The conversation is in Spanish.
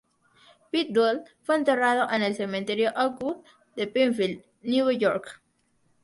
Pete Duel fue enterrado en el Cementerio Oakwood de Penfield, Nueva York.